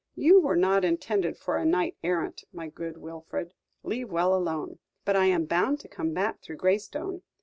You were not intended for a knight errant, my good Wilfred; leave well alone. But I am bound to come back through Graystone.